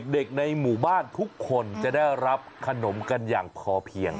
ในหมู่บ้านทุกคนจะได้รับขนมกันอย่างพอเพียง